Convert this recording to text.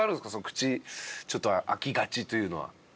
口ちょっと開きがちというのは。